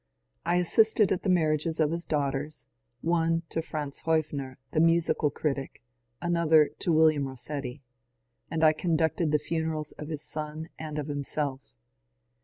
I assisted at the marriages of his daughters (one to Franz Huef fer, the musical critic, another to William Bossetti), and I conducted the funerals of his son and of himself.